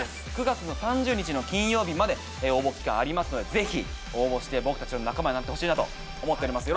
９月の３０日の金曜日まで応募期間ありますのでぜひ応募して僕たちの仲間になってほしいなと思っております